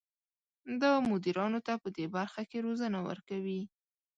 دا مدیرانو ته پدې برخه کې روزنه ورکوي.